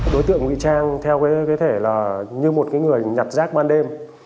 đối tượng nguyễn trang theo cái thể là như một người nhặt rác ban đêm